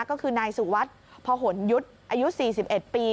ก็คือนายสุวัสดิ์พหนยุทธ์อายุ๔๑ปี